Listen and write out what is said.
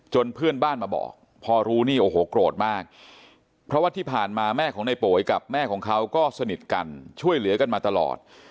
เพื่อนบ้านมาบอกพอรู้นี่โอ้โหโกรธมากเพราะว่าที่ผ่านมาแม่ของในโป๋ยกับแม่ของเขาก็สนิทกันช่วยเหลือกันมาตลอด